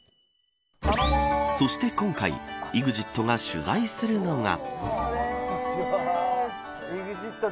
そして、今回ＥＸＩＴが取材するのが。